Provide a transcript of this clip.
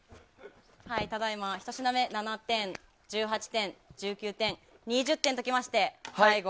ただいま１品目から７点、１８点、１９点２０点ときまして、最後。